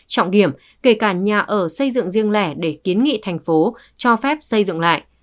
trọng điểm kể cả nhà ở xây dựng riêng lẻ để kiến nghị thành phố cho phép xây dựng lại